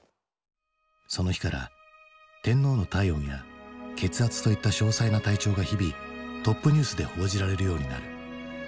その日から天皇の体温や血圧といった詳細な体調が日々トップニュースで報じられるようになる。